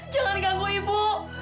jangan ganggu ibu